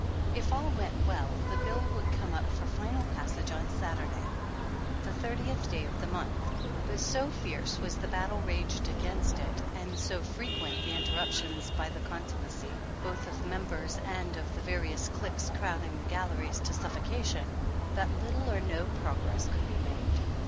If all went well, the bill would come up for final passage on Saturday, the 30th day of the month, but so fierce was the battle raged against it, and so fre~ quent the interruptions by the contumacy both of members and of the various cliques crowding the galleries to suffocation, that little or no progress could be made.